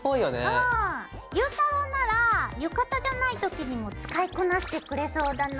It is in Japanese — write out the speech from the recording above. ゆうたろうなら浴衣じゃないときにも使いこなしてくれそうだな。